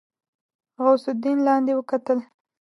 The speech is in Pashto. غوث الدين لاندې وکتل.